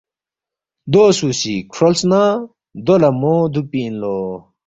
دو سُو سی کھرولس نہ دو لہ مو دُوکپی اِن لو